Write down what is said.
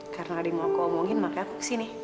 karena ada yang mau kau omongin makanya aku kesini